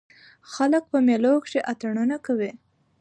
خلک په مېلو کښي اتڼونه کوي.